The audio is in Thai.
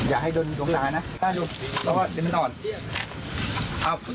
อยากให้ดูตรงตานะสาวดูรอดทีมงานตอน